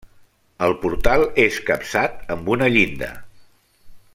El portal és capçat amb una llinda.